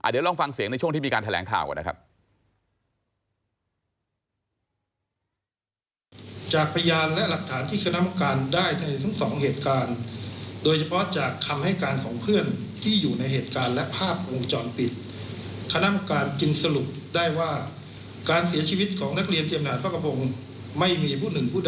เดี๋ยวลองฟังเสียงในช่วงที่มีการแถลงข่าวก่อนนะครับ